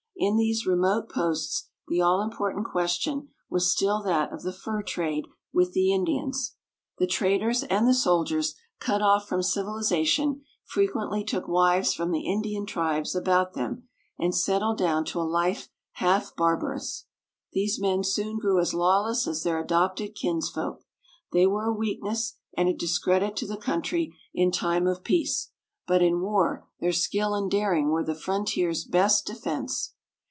In these remote posts the all important question was still that of the fur trade with the Indians. The traders and the soldiers, cut off from civilization, frequently took wives from the Indian tribes about them, and settled down to a life half barbarous. These men soon grew as lawless as their adopted kinsfolk. They were a weakness and a discredit to the country in time of peace, but in war their skill and daring were the frontier's best defence.